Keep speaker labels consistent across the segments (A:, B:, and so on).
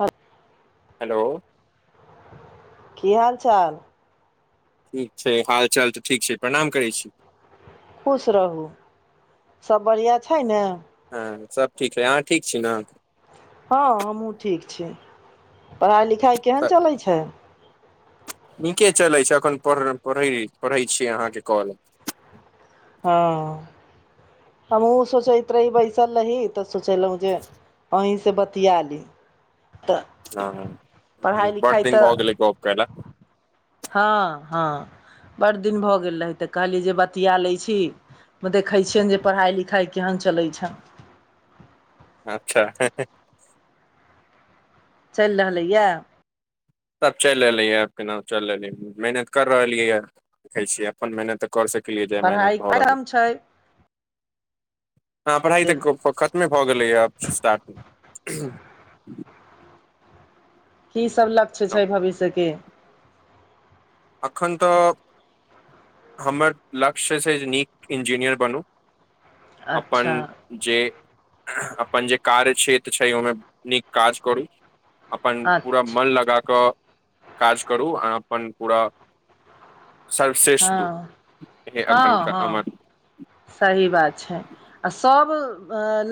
A: हब।
B: Hello.
A: की हाल चाल।
B: ठीक छै हाल चाल तऽ ठीक छै प्रणाम करै छी।
A: खुश रहू सब बढ़िआँ छै ने।
B: हँ सब ठीक है अहाँ ठीक छी न
A: हँ हमहूँ ठीक छी पढ़ाइ लिखाइ केहन
B: सब
A: चलै छै।
B: नीके चलै छै अखन पर पढ़ै पढै छीय अहाँके काॅल।
A: हँ। हमहुँ सोचैत रही बैसल रही तऽ सोचलहु जे अहीसँ बतिया ली। तऽ
B: हँ
A: पढ़ाइ
B: बड
A: लिखाइ
B: दिन
A: तऽ
B: भ गेलै केला।
A: हँ हँ बड़ दिन भऽ गेल रहै तऽ कहलियै जे बतिया लै छी। मे देखै छियनि जे पढ़ाइ लिखाइ केहन चलै छनि।
B: अच्छा
A: चलि रहलैया
B: सब चैल एलेय केनाहु चल एलेय मेहनत कर रहलियै यऽ देखै छीय अपन मेहनत कह सकैलए जे
A: पढ़ाइ
B: मेहनत भ रहल यै
A: कम छै
B: हँ पढ़ाइ तऽ खतमे भऽ गेलैए [unintelligible]
A: की सब लक्ष्य छै भविष्यके
B: अखन तऽ हमर लक्ष्य से नीक इंजीनियर बनू अपन
A: अच्छा
B: जे अपन जे कार्य क्षेत्र छै ओइमे नीक काज करू अपन पूरा मन
A: अच्छा
B: लगा कऽ काज करू आ अपन पूरा सर्वश्रेष्ठ दू
A: हँ
B: इह एखन
A: हँ
B: अम
A: हँ सही बात छै आ सभ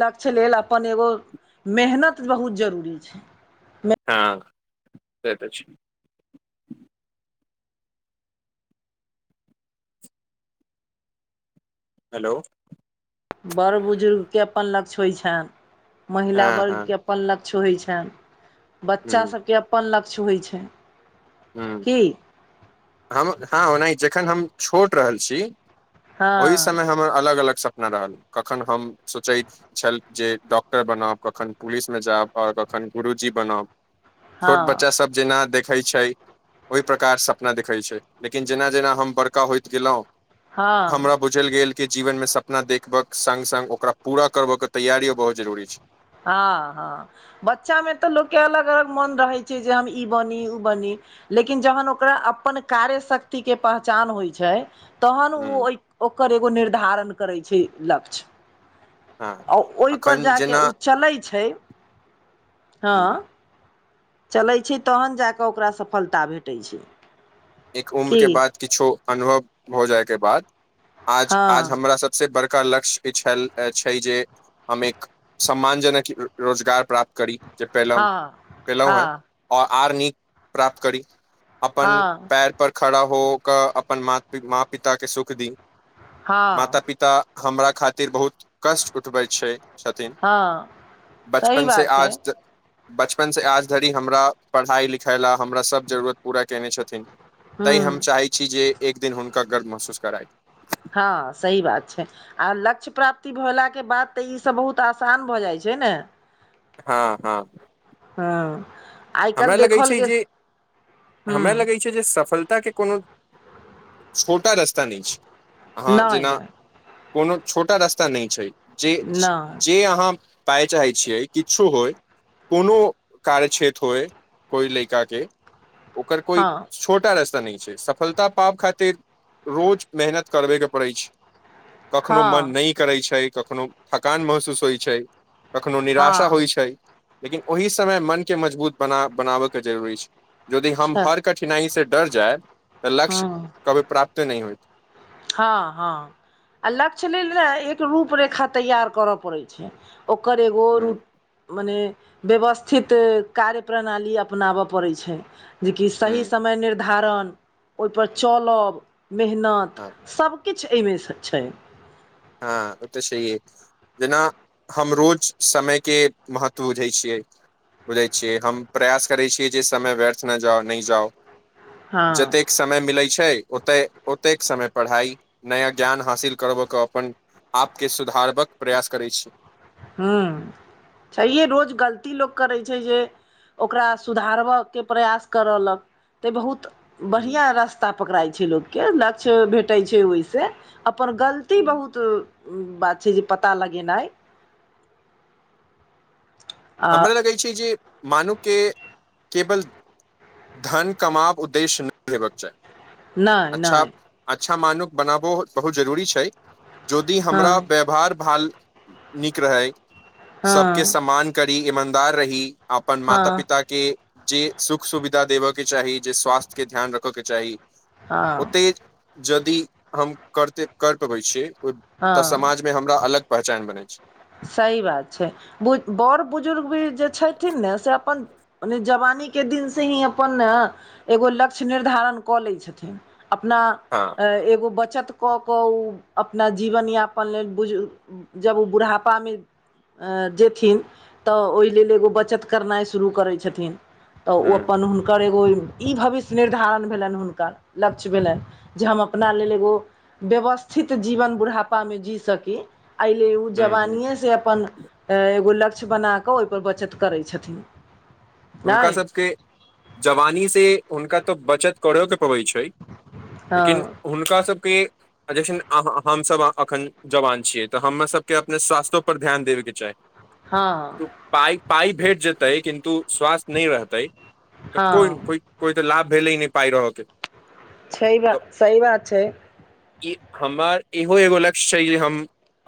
A: लक्ष्य लेल अपन एगो मेहनत बहुत जरूरी छै
B: हाँ से तऽ छै हेलो
A: बड़ बुजुर्ग के अपन लक्ष्य होइ छैन महिला
B: हँ हँ
A: वर्गके अप पन लक्ष्य होइ छैन
B: हूँ
A: बच्चा सभके अपन लक्ष्य होइ छै
B: हूँ
A: की
B: हम हँ ओनाही जखन हम छोट रहल छी ओहि
A: हँ
B: समय हम अलग अलग सपना रहल कखन हम सोचैत छल जे डॉक्टर बनाब कखन पुलिसमे जायब आ कखन गुरुजी बनाब छोट
A: हँ
B: बच्चा सब जेना देखै छै ओहि प्रकार स पना देखइ छै लेकिन जेना जेना हम बड़का होइत गेलो
A: हँ
B: हमरा बुझल गेल की जीवन में सपना देखबक संग संग ओकरा पूरा करबऽ के तैयारियो बहुत जरुररी छै
A: हँ हँ बच्चामे तऽ लोकके अलग अलग मोन रहैत छै जे हम ई बनी ओ बनी लेकिन जहन ओकरा अपन कार्य शक्ति के पहचान होइ छै तहन
B: ह
A: ऊ ओइ ओकर एगो निर्धारण करै छै लक्ष्य
B: हँ
A: आ ओहि पर
B: अखन
A: जा कऽ
B: जेना
A: ओ चलै छै हँ चलैई छै तखन जा कऽ ओकरा सफलता भेटै छै
B: एक उम्र
A: की
B: के बाद किछु अनुभव हो जाय के बाद आज
A: हँ
B: आज हमरा सब से बड़का लक्ष्य ई छल ए छइ जे हम एक सम्मान जनक रोजगार प्राप्त करी जे पैलो
A: हँ
B: पैलोहेँ
A: हँ
B: ओर आर नीक प्राप्त करी अपन
A: हँ
B: पैर पर खड़ा हो क अपन माँ पिता के सुख दी
A: हँ
B: माता
A: हँ
B: पिता हमरा खातिर बहुत कष्ट उठबे छए छथिन
A: हँ सही
B: बचपन से
A: बात छै
B: आज त बचपन से आज धरि हमरा पढ़ाई लिखाइ लए हमरा सब जरुरत पूरा केने छथिन तेंइ
A: हूँ
B: हम चाहैत छी जे एक दिन हुनका गर्व महसूस कराइब
A: हँ सही बात छै आ लक्ष्य प्राप्ति भेलाके बाद तऽ ईसभ बहुत आसान भऽ जाइत छै न
B: हँ हँ
A: हँ आइ
B: हमरा
A: काल्हि
B: लगै
A: देखल
B: छै
A: गेल
B: जे
A: ह
B: हमरा लगै छै जे सफलता के कोनो छोटा रास्ता नय छै अहाँ
A: नहि
B: जेना
A: नहि
B: कोनो छोटा रास्ता नय छै जे जे
A: नहि
B: अहाँ पाय चाहै छियै किछु होय कोनो कार्य क्षेत्र थोय कोइ लैका के ओकर कोइ
A: हँ
B: छोटा रास्ता नय छै सब फलता पाब खातिर रोज मेहनत करबे के पड़ै छै कखनो मन
A: हँ
B: नय करै छै कखनो थकान महसूस होइ छै कखनो निराशा
A: हँ
B: होइ छै। लेकिन ओहि समय मनके मजबूत बना बनाबयके जरूरी छै। यदि हम
A: अच्छा
B: हर कठिनाइसँ डर जाय तऽ लक्ष्य
A: हँ
B: कभी प्राप्ते नहि होयत।
A: हँ हँ आ लक्ष्य लेल ने एक रूप रेखा तैयार करऽ पड़ै छै। ओकर एगो
B: ह
A: रुप। मने व्यवस्थित कार्य प्रणाली अपनाब पड़ै छै। जेकि सही
B: हँ
A: समय निर्धारण ओहिपर चलब मेहनत। सभकिछ एहिमे सऽ छै।
B: हँ ओ तऽ छैये जेना हम रोज समयके महत्व बुझै छियै बुझै छियै हम प्रयास करै छियै जे समय व्यर्थ ना जाउ नय जाओ
A: हँ
B: जतेक समय मिलै छै ओतय ओतेक समय पढ़ाइ नया ज्ञान हासिल करबय के। अपन आपके सुधारबक प्रयास करै छी।
A: हँ छैहे रोज गलती लोक करै छै जे। ओकरा सुधारब के प्रयास करयलक तऽ बहुत। बढ़ियाँ रास्ता पकड़ाइ छै लोकके लक्ष्य भेटै छै ओहिसँ अपन गल ती बहुत बात छै जे पता लगेनाइ आ
B: हमरा लगै छै जे मानू के केवल धन कमाव उद्देश्य नय हेबक चाही
A: नहि
B: अच्छा
A: नहि
B: अच्छा मानुक बनाबो बहुत जरूरी छै जोदि
A: हँ
B: हमरा व्यवहार भाल नीक रहै
A: हँ
B: सबके समान करी ईमानदार रही अपन माता
A: हँ
B: पिता क के जे सुख सुविधा देबय के चाही जे स्वास्थ्य के ध्यान रखऽ के चाही
A: हँ
B: ओते जदि हम करते कर पबै छियै तऽ
A: हँ
B: समाज मे हमरा अलग पहचान बनै छै
A: सही बात छै बु बड़ बुजुर्ग भी जे छथिन ने से अपन ओने जवानी के दिन से ही अपन एगो लक्ष्य निर्धारण कऽ लै छथिन अपना
B: हँ
A: एगो बचत कऽ कऽ उ अपना जीवन यापन लेल बुज जब उ बुढ़ाप पा मे [inaudible] जेथिन तऽ ओय लेल एगो बचत करनाइ शुरू करै छथिन तऽ
B: ह
A: उ अप्पन हुनकर एगो ई भविष्य निर्धारण भेलनि हुनकर लक्ष्य भेलनि जे हम अपना लेल एगो व्यवस्थित जीवन बुढ़ापामे जी सकी अय लेल उ
B: ह ह
A: वानीये सॅं अपन आ एगो लक्ष्य बना कऽ ओय पर बचत करै छथिन
B: हुनका
A: नहि
B: सबके जवानी से हुनका तऽ बचत करय कऽ पबय छै लेकिन
A: हँ
B: हुनका सबके आ जखन अहाँ हमसभ एखन जवान छियै तऽ हम्मा सभके अपन स्वास्थो पर ध्यान देबय कऽ चाही
A: हँ
B: पाइ पाइ भेट जेतै किन्तु स्वास्थ नय रहतै तऽ
A: हँ
B: कोन कोइ तऽ लाभ भेलय नय पाइ रहऽ के
A: छै बा सही बात छै
B: ई हम्मर इहो एगो लक्ष्य छै जे हम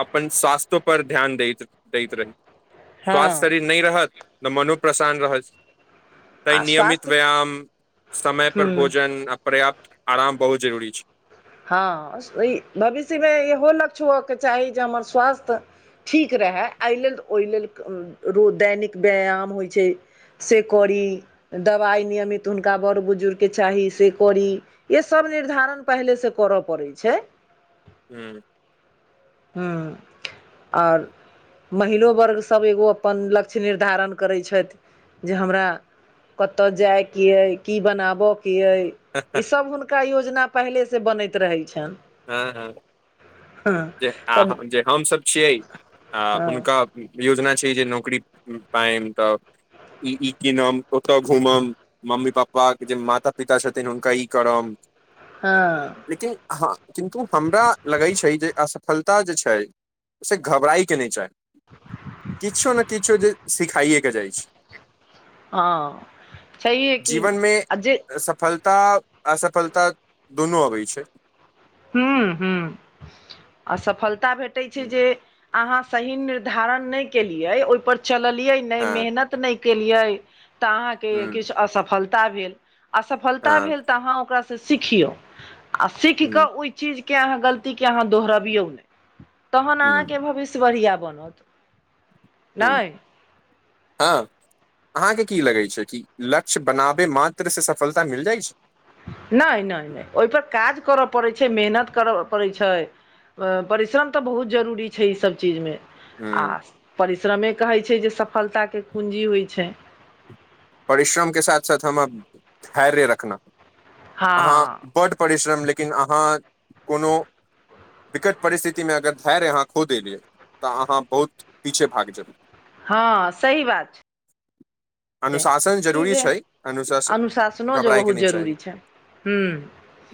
B: अप्पन स्वास्थो पर ध्यान दैत दैत रही
A: हँ
B: स्वास्थ्य शरीर नैय रहत तऽ मनो परेशान रहत। त
A: आ
B: नियमित
A: स्वास्थ्य
B: व्यायाम समय पर
A: हूँ
B: भोजन अप्प। पर्याप्त आराम बहुत जरूरी छैय।
A: हँ सब वही भविष्यमे इहो लक्ष्य होबअके चाही जे हमर स्वास्थ्य ठीक रहैय एय लेल ओय लेल रु दैनिक व्यायाम होइ छैय। से करी। दबाइ नियमित हुनका बड़ बुजुर्ग के चाही से करी ये सब निर्धारण पहिले से। करऽ पड़ै छैय।
B: हूं।
A: हू और। महिलो वर्गसभ एगो अपन लक्ष्य निर्धारण करै छइथ जै हमरा। कतय जाइके एइ की बनाबऽके अइ। ईसभ हुनका योजना पहिलेसँ बनैत रहैत छैन।
B: ह ह आ
A: तब
B: जे हमस छियै आ
A: हँ
B: हुनका। योजना छै जे नौकरी पायब तऽ ई ई कीनब ओतय घू मम। मम्मी पापाके जे माता पिता छथिन हुनका ई करम।
A: हा।
B: लेकिन अहाँ किन्तु हमरा लगैय छैय जैय असफलता जैप छैय से घबराइके नैय चाही। किछो ने किछो जैय सिखाइये के जाइ छैया।
A: हँ छैहे कि
B: जीवनमे
A: आ जे
B: सफल। तऽ असफलता दुनू अबैय छैय।
A: हूं हूं असफलता भेटैय छैय
B: हँ
A: जैय। अहाँ सही निर्धारण नैय केलियै ओयपर चलललियै नैय
B: हँ
A: मेहनत। किछ नैय केलियै तऽ अहाँके
B: हँ
A: किछु असफलता भेल। असफलता
B: हँ
A: भेल तऽ अहाँ ओकरा से सीखियौ आ सीख कऽ ओई। चीजके अहाँ गलतीके अहाँ दोहरबियौ ने तहन
B: हँ
A: अहाँके भविष्य बढ़िआ बनत।
B: हँ
A: नहि
B: ह। अहाँके की लगैय छैय कि लक्ष्य बनाबे मात्र से सफलता मिल जाइ छैय।
A: नैय नैय नैय नैय ओहिपर काज करय पड़ैत छैय मेहनत करय पड़ैत छैया परिश्रम तऽ बहुत जरूरी छैय ई सब चीजमे। आ
B: ह
A: परिश्रमे कहैत छैय जे सफलताके कूँजी होई छैय।
B: परिश्रमके साथ साथ हमरा धैर्य रखना अहाँ।
A: हँ
B: बड्ड परिश्रम लेकिन अहाँ कोनो। विकट परिस्थितिमे अगर धैर्य अहाँ खो देलिय तऽ अहाँ बहुत पीछे भाग जेबै।
A: हँ सही बात छैया
B: [unintelligible] अनुशासन जरूरी
A: जे
B: छैय अनुशासन घबरायके नैय चाही।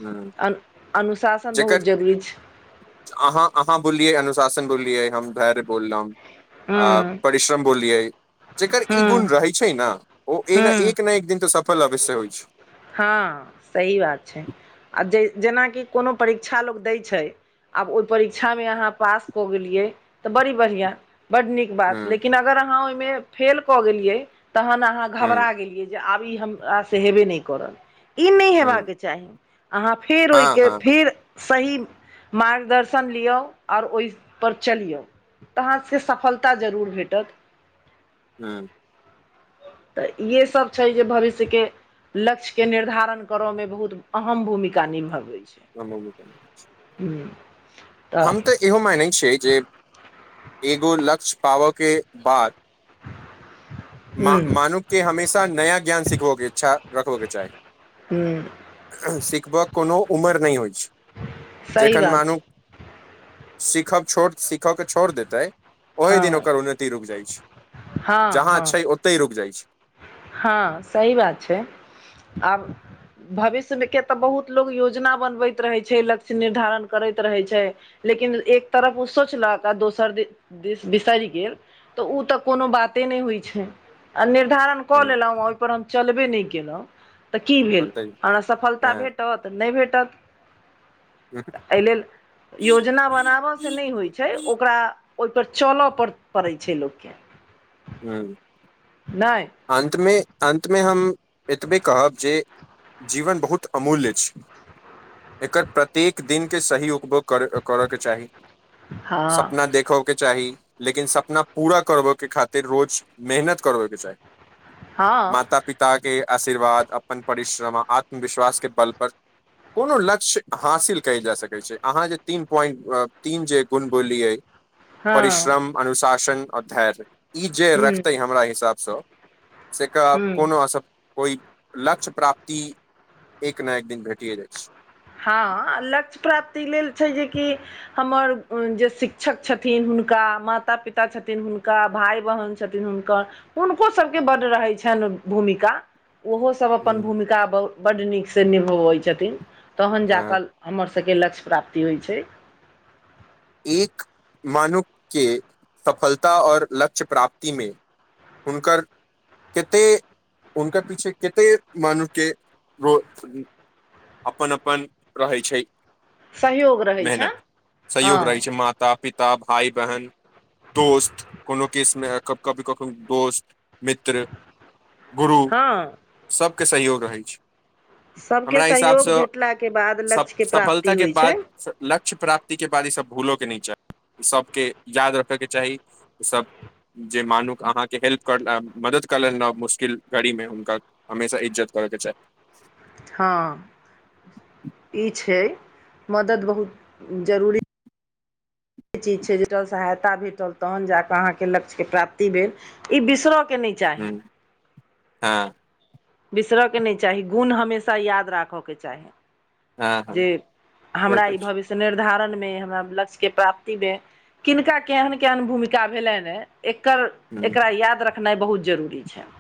B: हम्म
A: अनुशासन
B: जेकर
A: बहुत जरूरी छैय।
B: अहाँ अहाँ बोललियै अनुशासन बोललियै हम धैर्य बोल लऊ। आ
A: ह्म
B: परिश्रम बोललियै जेकर ई
A: ह्म
B: गुण रहै छैय ना ओ ना
A: ह्म
B: एक न एक दिन तऽ सफल अवश्य होइ छैय।
A: हँ सही बात छैय आ जे जेनाकि कोनो परीक्षा लोक दैय छैय। आब ओई परीक्षा मे अहाँ पास क गेलियै तऽ बड़ी बढ़िया बड नीक।
B: ह
A: बात लेकिन अगर अहाँ ओइमे फेल कऽ गेलियै तहन अहाँ
B: ह ह
A: घबरा गेलियै। जे आब ई हमरासँ हेबे नहि करल ई नहि हेबाक चाही अहाँ फेर ओहि
B: हँ
A: के
B: हँ
A: फेर सही मार्गदर्शन लियौ आओर ओहिपर चलियौ तऽ अहाँ सभ के सफलता जरूर भेटत
B: हूँ
A: तऽ इएहे सभ छै। जे भविष्य के लक्ष्य के निर्धारण कर में बहुत अहम भूमिका निभबै छै।
B: हू
A: ह
B: हम तऽ इहो मानैत छियै जे एगो लक्ष्य पाबय के बाद
A: हुँ
B: मनुष्य के हमेशा नया ज्ञान सिखबयके इच्छा रखब के चाही
A: हूँ
B: सिखबय कोनो उमर नहि होइत छै।
A: सही
B: जखन
A: बात
B: मानू
A: छै
B: सीखब छो सीखब के छोड़ देतै ओहि दिन
A: हँ
B: ओकर उन्नति रुकि जाइत छै।
A: हँ
B: जहाँ
A: हँ
B: छै। ओतहि रुकि जाइत छै।
A: हँ सही बात छै। आब भविष्य के तऽ बहुत लोकोग योजना बनबैत रहै छै। लक्ष्य निर्धारण करैत रहै छै। लेकिन एक तरफ ओ सोचलहक दोसर दिस बिसरि गेल तऽ ओ तऽ कोनो बाते नहि होइत छै। आ निर्धारण कऽ
B: हुँ।
A: लेलहुँ आ ओहि पर हम चलबे नहि केलहुँ तऽ की भेल
B: होतै
A: हमरा सफलता
B: हँ
A: भेटत भ
B: ह
A: ब हो छै। ओकरा ओहिपर चलऽ पड़ैत छै। लोक के
B: हू
A: नहि
B: अन्तमे अन्त में हम एतबे कहब जे जीवन बहुत अमूल्य छै। एकर प्रत्येक दिनक के सही उपभोग कर करऽ के चाही
A: हँ
B: सपना देखो के चाही लेकिन सपना पूरा करबय के खातिर रोज मेहनत करबय के चाही
A: हँ
B: माता पिता के आशीर्वाद अप्पन परिश्रम आत्मविश्वास के बल पर कोनो लक्ष्य हासिल कयल जा सकै छै। अहाँ जे तीन पॉइंट तीन जे गुण बोलिय
A: हँ
B: परिश्रम अनुशासन आओर धैर्य ई जे
A: ह
B: रखतै हमरा हिसाबसँ कोनो
A: ह
B: कोनोस कोई लक्ष्य प्राप्ति एक ने एक दिन भेटि जाइ अछि।
A: हँ, लक्ष्य प्राप्ति लेल छै। जेकि हमर जे शिक्षक छथिन। हुनका माता पिता छथिन। हुनका भाई बहिन छथिन। हुनकर हुनको सभ के बड्ड रहै छनि भूमिका ओहो सभ अप्पन
B: हम्म,
A: भूमिका बड नीक से निभाबै छथिन। तहन
B: हाँ,
A: जाकऽ हमर सभ के लक्ष्य प्राप्ति होइ छै।
B: एक मानु के सफलता और लक्ष्य प्राप्ति में हुनकर कते हनका पीछे कते मानु के अप्पन अप्पन रहै छै।
A: सहयोग रहै
B: मेहनत
A: छनि हँ
B: सहयोग रहै छै। माता पिता भाई बहन दोस्त कोनो किस में कभी कखनो दोस्त मित्र गुरु
A: हँ
B: सभ के सहयोग रहै छै।
A: सभके
B: हमरा
A: सहयोग
B: हिसाबसँ
A: भेटलाके बाद लक्ष्यके प्राप्ति
B: सफलताके
A: होइ छै
B: पास लक्य प्राप्ति के बाद ई सबब भूलो के नय चाहि सभके याद रखयके चाही ओसभ जे मानुक अहाँके हेल्प कर मदद क लेल मुश्किल गाड़ीमे हुनकर हमेशा इज्जत करके चाहि
A: हईछै मदद बहुत जरुरी चीज छै ज सहायता भेटल तहन अहाँके लक्ष्य के प्राप्ति भेल ई बिसर के नहि छै
B: हँ हँ
A: बिसरयके नहि चाही गुण हमेशा याद राखयके चाही।
B: हँ हँ
A: जे
B: से
A: हमरा
B: तऽ
A: ई
B: छै
A: भविष्य निर्धारण मे हमरा लक्ष्य के प्राप्तिमे किनका केहन केहन भूमिका भेलनि ह एकर
B: ह
A: एकरा याद रखनाइ बहुत जरूरी छै।